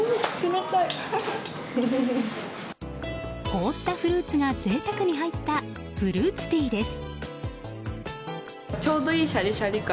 凍ったフルーツが贅沢に入ったフルーツティーです。